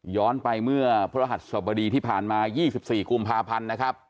ไปเมื่อพระหัสสบดีที่ผ่านมา๒๔กุมภาพันธ์นะครับ